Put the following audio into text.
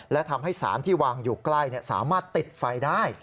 และทำให้สารที่วางอยู่ใกล้สามารถติดไฟได้